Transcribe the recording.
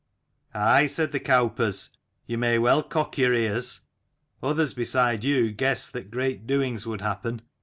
"Aye," said the cowpers, "you may well cock your ears: others beside you guessed that great doings would happen.